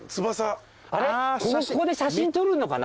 ここで写真撮るのかな？